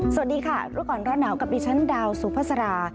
สวัสดีค่ะรูปกรณ์ร้อนหนาวกับอีชันดาวสุภาษารา